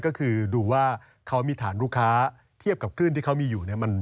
ก็คือดูว่าเขามีฐานลูกค้าเทียบกับคลื่นที่เขามีอยู่เนี่ย